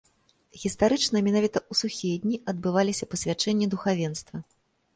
Гістарычна менавіта ў сухія дні адбываліся пасвячэнні духавенства.